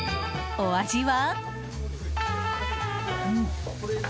お味は？